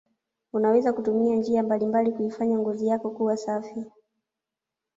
unaweza kutumia njia mbalimbali kuifanya ngozi yako kuwa safi